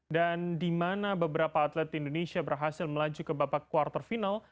dan di mana beberapa atlet indonesia berhasil melaju ke babak quarter final